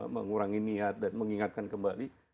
mengurangi niat dan mengingatkan kembali